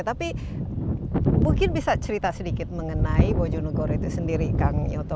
tapi mungkin bisa cerita sedikit mengenai bojonegoro itu sendiri kang nyoto